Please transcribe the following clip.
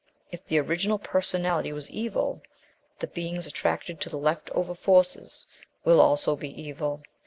If the original personality was evil, the beings attracted to the left over forces will also be evil.